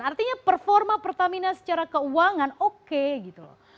jadi performa pertamina secara keuangan oke gitu loh